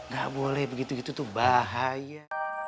gak boleh begitu gitu tuh bahaya